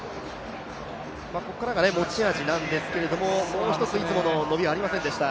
ここからが持ち味なんですけれども、もう一つ、いつもの伸びはありませんでした。